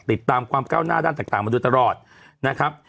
ติดตามความก้าวหน้าด้านต่างมาโดยตลอดนะครับ